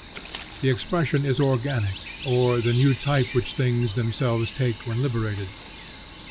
The expression is organic, or the new type which things themselves take when liberated.